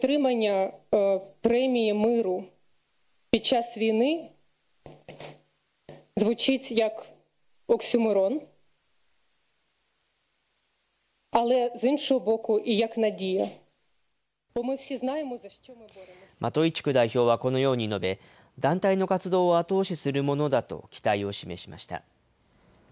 マトイチュク代表はこのように述べ、団体の活動を後押しするものだと期待を示しました。